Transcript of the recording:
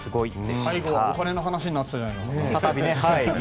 最後、お金の話になってたじゃないの。